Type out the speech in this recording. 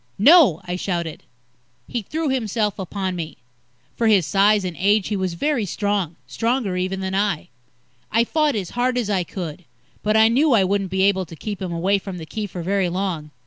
"No!" I shouted. He threw himself upon me. For his size and age, he was very strong stronger, even, than I. I fought as hard as I could, but I knew I wouldn't be able to keep him away from the Key for very long.